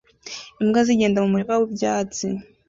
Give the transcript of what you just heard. Imbwa zigenda mu murima wibyatsi